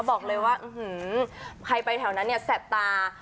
บอกเลยว่าใครไปแถวนั้นเนี่ยแสบตา